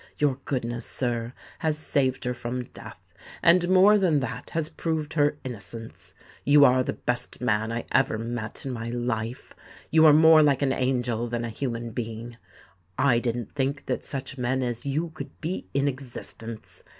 Your goodness, sir, has saved her from death; and more than that, has proved her innocence. You are the best man I ever met in my life: you are more like an angel than a human being. I didn't think that such men as you could be in existence.